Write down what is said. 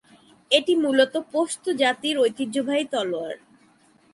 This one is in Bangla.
এটি মূলত পশতু জাতির ঐতিহ্যবাহী তলোয়ার।